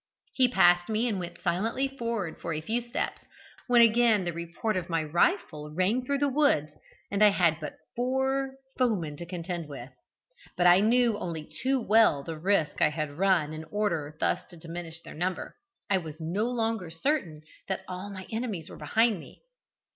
He passed me and went silently forward for a few steps, when again the report of my rifle rang through the woods, and I had but four foemen to contend with. But I knew only too well the risk I had run in order thus to diminish their number. _I was no longer certain that all my enemies were behind me.